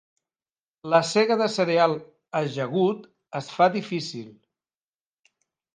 La sega del cereal ajagut es fa difícil.